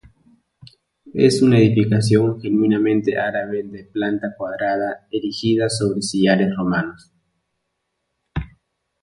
Es una edificación genuinamente árabe de planta cuadrada erigida sobre sillares romanos.